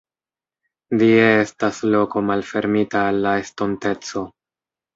Die estas loko malfermita al la estonteco.